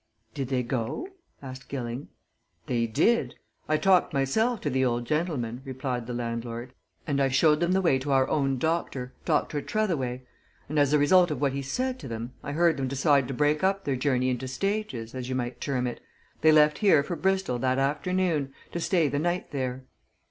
"Did they go?" asked Gilling. "They did! I talked, myself, to the old gentleman," replied the landlord. "And I showed them the way to our own doctor Dr. Tretheway. And as a result of what he said to them, I heard them decide to break up their journey into stages, as you might term it. They left here for Bristol that afternoon to stay the night there."